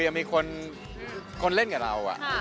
ยังมีคนเล่นกับเรา